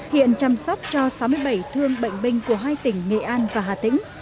hiện chăm sóc cho sáu mươi bảy thương bệnh binh của hai tỉnh nghệ an và hà tĩnh